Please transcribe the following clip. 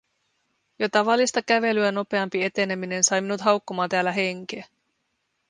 Jo tavallista kävelyä nopeampi eteneminen sai minut haukkomaan täällä henkeä.